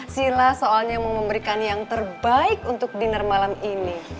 silah soalnya memberikan yang terbaik untuk dinner malam ini